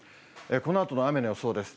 このあとの雨の予想です。